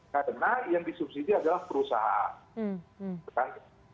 karena yang disubsidi adalah perusahaan